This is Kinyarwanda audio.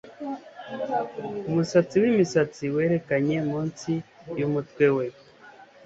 Umusatsi wimisatsi werekanye munsi yumutwe we.